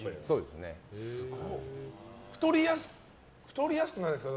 すごい。太りやすくないですか？